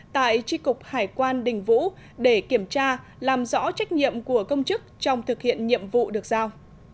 tại tri cục hải quan đình vũ để kiểm tra làm rõ trách nhiệm của công chức trong thực hiện nhiệm vụ được giao